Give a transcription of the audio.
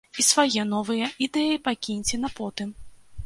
І свае новыя ідэі пакіньце на потым.